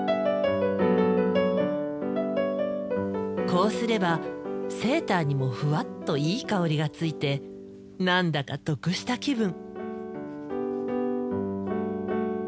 こうすればセーターにもフワッといい香りがついて何だか得した気分。